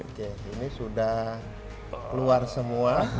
oke ini sudah keluar semua